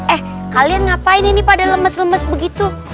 eh kalian ngapain ini pada lemes lemes begitu